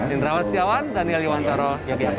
indra wasjawan dan yaliwantoro yogyakarta